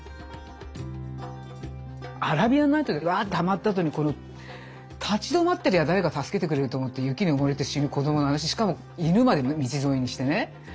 「アラビアン・ナイト」にわってハマったあとにこの立ち止まってりゃ誰か助けてくれると思って雪に埋もれて死ぬ子どもの話しかも犬まで道連れにしてね。